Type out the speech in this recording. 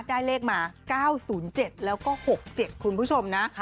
ได้เลขมา๙๐๗แล้วก็๖๗คุณผู้ชมนะ